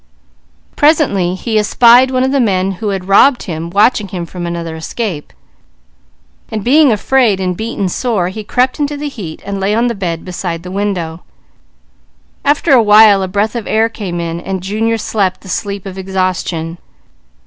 Presently he espied one of the men who had robbed him watching him from another escape, and being afraid and beaten sore, he crept into the heat, and lay on the bed beside the window. After a while a breath of air came in, and Junior slept the sleep of exhaustion.